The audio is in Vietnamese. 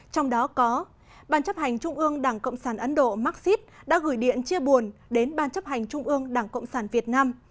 trong đó có ban chấp hành trung ương đảng cộng sản ấn độ marxist đã gửi điện chia buồn đến ban chấp hành trung ương đảng cộng sản việt nam